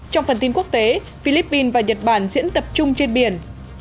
trong phần tin quốc tế philippines và nhật bản diễn tập chung trên biển